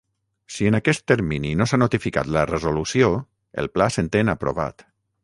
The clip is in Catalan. Si en aquest termini no s'ha notificat la resolució, el pla s'entén aprovat.